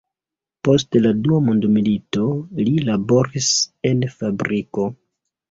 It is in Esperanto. Post la dua mondmilito, li laboris en fabriko.